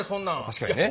確かにね。